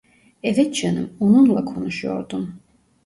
Evet canım, onunla konuşuyordum.